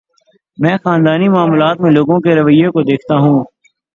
میں خاندانی معاملات میں لوگوں کے رویے کو دیکھتا ہوں۔